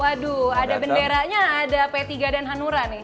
waduh ada benderanya ada p tiga dan hanura nih